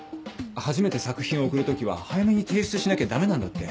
初めて作品を送るときは早めに提出しなきゃ駄目なんだって。